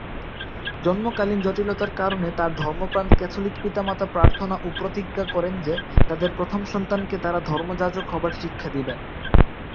জন্মকালীন জটিলতার কারণে তার ধর্মপ্রাণ ক্যাথোলিক পিতা-মাতা প্রার্থনা ও প্রতিজ্ঞা করেন যে, তাদের প্রথম সন্তানকে তারা ধর্মযাজক হবার শিক্ষা দেবেন।